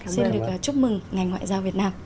xin được chúc mừng ngành ngoại giao việt nam